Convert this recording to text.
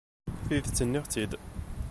Tidet, nniɣ-tt-id.